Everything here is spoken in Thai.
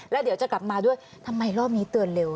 แล้วเดี๋ยวจะกลับมาด้วยทำไมรอบนี้เตือนเร็ว